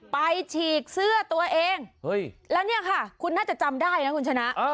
ฉีกเสื้อตัวเองแล้วเนี่ยค่ะคุณน่าจะจำได้นะคุณชนะ